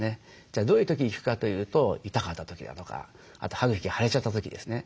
じゃどういう時行くかというと痛かった時だとかあと歯茎が腫れちゃった時ですね。